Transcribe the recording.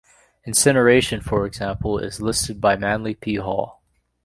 Incineration, for example is listed by Manly P. Hall.